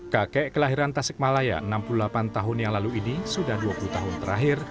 kakek kelahiran tasikmalaya enam puluh delapan tahun yang lalu ini sudah dua puluh tahun terakhir